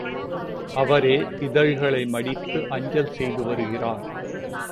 அவரே இதழ்களை மடித்து அஞ்சல் செய்து வருகிறார்.